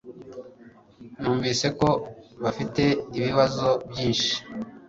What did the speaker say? Numvise ko bafite ibibazo byinshi